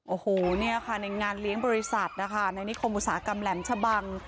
โอ้โหเนี่ยค่ะในงานเลี้ยงบริษัทนะคะในนิคมอุตสาหกรรมแหลมชะบัง